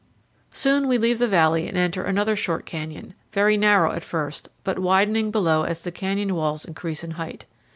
Soon we leave the valley and enter another short canyon, very narrow at first, but widening below as the canyon walls increase in height.